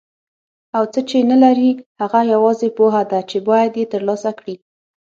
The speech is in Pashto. او څه چې نه لري هغه یوازې پوهه ده چې باید یې ترلاسه کړي.